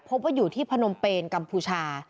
พบว่าอยู่ที่พนมเปนกัมพูชา